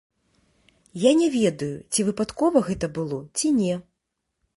Я не ведаю, ці выпадкова гэта было, ці не.